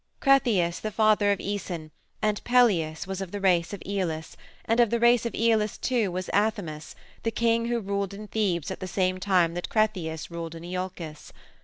Cretheus, the father of Æson, and Pelias, was of the race of Aeolus, and of the race of Aeolus, too, was Athamas, the king who ruled in Thebes at the same time that Cretheus ruled in Iolcus.